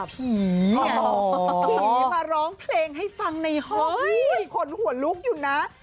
ผีไงผีมาร้องเพลงให้ฟังในห้องขนหัวลุกอยู่นะ